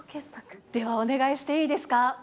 ではお願いしていいですか？